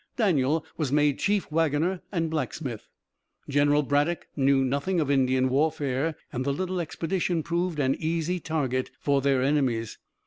Daniel was made chief wagoner and blacksmith. General Braddock knew nothing of Indian warfare, and the little expedition proved an easy target for their enemies.